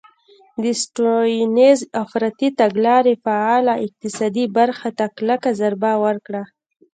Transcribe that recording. د سټیونز افراطي تګلارې فعاله اقتصادي برخه ته کلکه ضربه ورکړه.